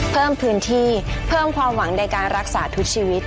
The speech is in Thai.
เพิ่มพื้นที่เพิ่มความหวังในการรักษาทุกชีวิต